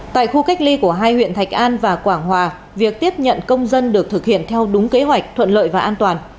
tại khu cách ly của hai huyện thạch an và quảng hòa việc tiếp nhận công dân được thực hiện theo đúng kế hoạch thuận lợi và an toàn